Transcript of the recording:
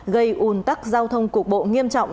gây un tắc giao thông cục bộ nghiêm trọng